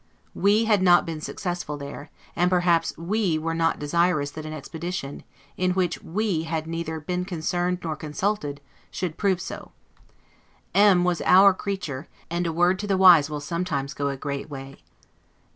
WE had not been successful there; and perhaps WE were not desirous that an expedition, in which WE had neither been concerned nor consulted, should prove so; M t was OUR creature, and a word to the wise will sometimes go a great way.